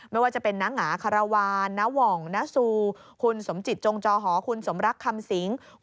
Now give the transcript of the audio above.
ไม่ว่าจะเป็นน้าหงาคารวาลน้าหว่องน้าซูคุณสมจิตจงจอหอคุณสมรักคำสิง